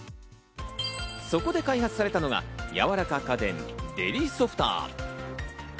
そこで開発されたのが、やわらか家電、デリソフター。